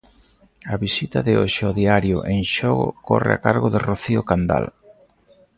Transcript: A visita de hoxe ao Diario en Xogo corre a cargo de Rocío Candal.